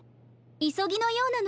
いそぎのようなの。